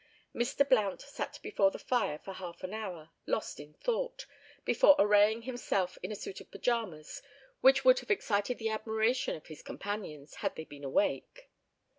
Mr. Blount sat before the fire for half an hour, lost in thought, before arraying himself in a suit of pyjamas, which would have excited the admiration of his companions had they been awake.